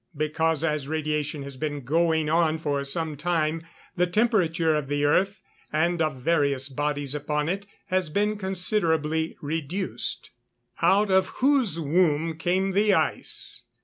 _ Because, as radiation has been going on for some time, the temperature of the earth, and of various bodies upon it, has been considerably reduced. [Verse: "Out of whose womb came the ice?